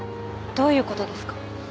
どういう事ですか？